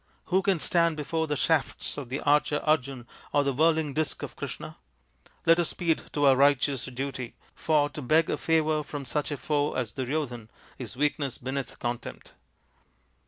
Who can stand before the shafts of the archer Arjun or the whirling disc of Krishna ? Let us speed to our righteous duty, for to beg a favour from such a foe as Duryodhan is weakness beneath contempt."